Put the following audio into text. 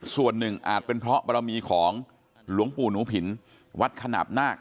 ส่วนหนึ่งอาจเป็นเพราะบรมีของหลวงปู่หนูผินวัดขนาดนาค